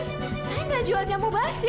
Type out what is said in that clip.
saya nggak jual jamu basi